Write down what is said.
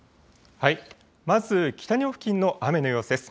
まず北日本付近の雨の様子です。